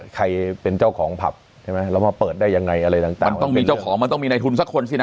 ใครเป็นเจ้าของผับใช่ไหมแล้วมาเปิดได้ยังไงอะไรต่างมันต้องมีเจ้าของมันต้องมีในทุนสักคนสินะ